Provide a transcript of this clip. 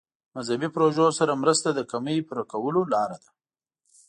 مذهبي پروژو سره مرسته د کمۍ پوره کولو لاره ده.